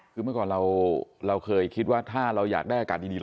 คือเมื่อก่อนเราเคยคิดว่าถ้าเราอยากได้อากาศดี